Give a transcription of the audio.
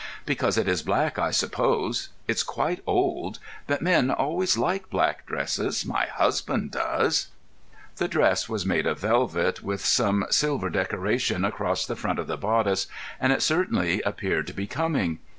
"Because it is black, I suppose. It's quite old. But men always like black dresses. My husband does." The dress was made of velvet, with some silver decoration across the front of the bodice, and it certainly appeared becoming.